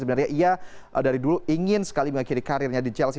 sebenarnya ia dari dulu ingin sekali mengakhiri karirnya di chelsea